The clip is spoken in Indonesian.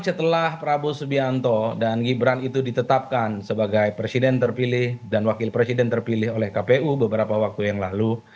setelah prabowo subianto dan gibran itu ditetapkan sebagai presiden terpilih dan wakil presiden terpilih oleh kpu beberapa waktu yang lalu